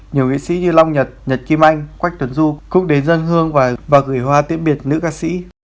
nhiều nghệ sĩ như long nhật nhật kim anh quách tuấn du cũng đến dân hương và gửi hoa tiết biệt nữ ca sĩ